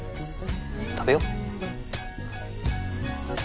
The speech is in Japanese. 食べよう。